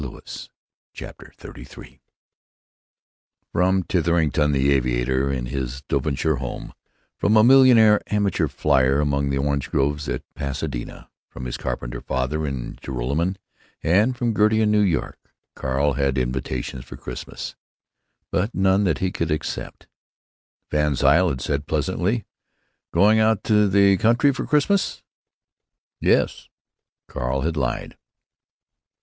CHAPTER XXXIII rom Titherington, the aviator, in his Devonshire home, from a millionaire amateur flier among the orange groves at Pasadena, from his carpenter father in Joralemon, and from Gertie in New York, Carl had invitations for Christmas, but none that he could accept. VanZile had said, pleasantly, "Going out to the country for Christmas?" "Yes," Cal had lied.